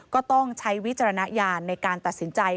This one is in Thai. ก็ต้องใช้วิจารณญาณในการตัดสินใจ